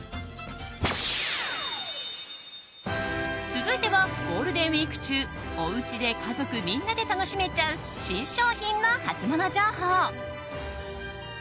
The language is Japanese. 続いてはゴールデンウィーク中おうちで家族みんなで楽しめちゃう新商品のハツモノ情報。